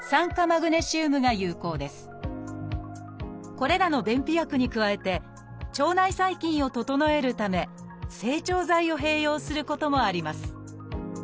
これらの便秘薬に加えて腸内細菌を整えるため整腸剤を併用することもあります。